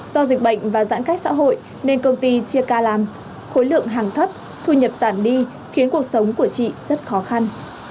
do dịch bệnh và giãn cách xã hội nên công ty chia ca làm khối lượng hàng thấp thu nhập giảm đi khiến cuộc sống của chị rất khó khăn